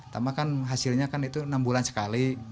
karena hasilnya kan enam bulan sekali